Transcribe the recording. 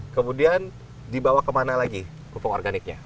kemudian dibawa kemana lagi pupuk organiknya